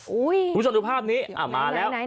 คุณผู้ชมดูภาพนี้มาแล้ว